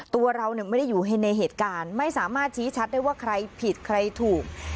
ตัวเราไม่ได้อยู่ในเหตุการณ์ไม่สามารถชี้ชัดได้ว่าใครผิดใครถูก